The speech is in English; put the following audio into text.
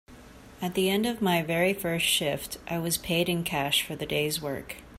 At the end of my very first shift, I was paid in cash for the day’s work.